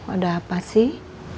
ada apa sih